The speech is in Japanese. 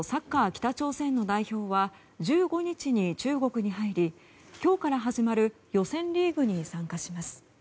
北朝鮮の代表は１５日に中国に入り今日から始まる予選リーグに参加します。